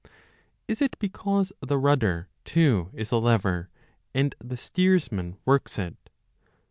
Is it because the rudder, too, is a lever and the steersman works it